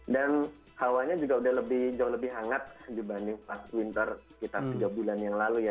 dan hawanya juga sudah jauh lebih hangat dibanding pas winter kita tiga bulan yang lalu ya